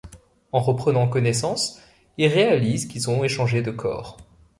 En reprenant connaissance, ils réalisent qu'ils ont échangé de corps.